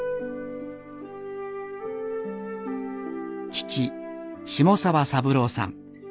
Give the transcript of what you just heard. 父下澤三郎さん。